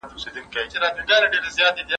واکمنو ته پکار ده چي د پانګوالو ملاتړ وکړي.